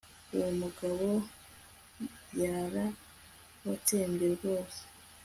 Uwo mugabo yarabatsembye rwose